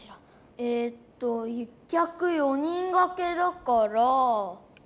えっと１きゃく４人がけだから。